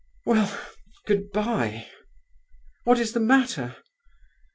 Well, good bye—what is the matter?"